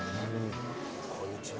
こんにちは。